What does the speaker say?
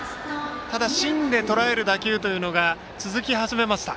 ただ、芯でとらえる打球が続き始めました。